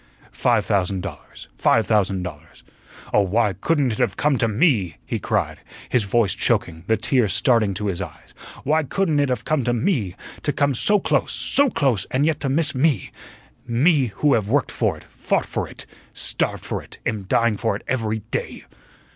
Five thousand dollars, five thousand dollars. Oh, why couldn't it have come to me?" he cried, his voice choking, the tears starting to his eyes; "why couldn't it have come to me? To come so close, so close, and yet to miss me me who have worked for it, fought for it, starved for it, am dying for it every day.